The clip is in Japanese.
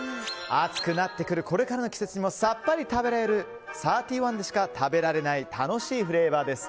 暑くなってくるこれからの季節にもさっぱり食べれるサーティーワンでしか食べられない楽しいフレーバーです。